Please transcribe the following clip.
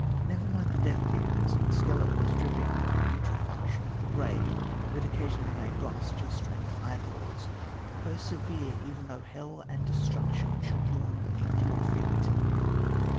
Never mind the Death demons and skeletons dripping with the putrefaction of the grave, that occasionally may blast your straining eyeballs. Persevere even though Hell and destruction should yawn beneath your feet.